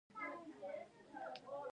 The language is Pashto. لاس څلورویشت عضلات لري.